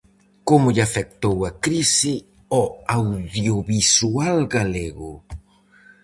Como lle afectou a crise ao audiovisual galego?